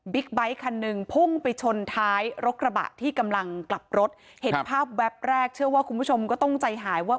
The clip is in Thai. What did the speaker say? ไบท์คันหนึ่งพุ่งไปชนท้ายรถกระบะที่กำลังกลับรถเห็นภาพแวบแรกเชื่อว่าคุณผู้ชมก็ต้องใจหายว่า